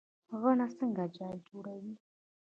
غڼه څنګه جال جوړوي؟